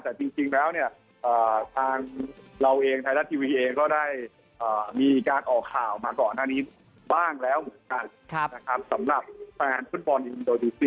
แต่จริงแล้วเนี้ยอ้าทางเราเอง